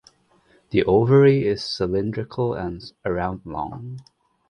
The ovary is cylindrical and around long.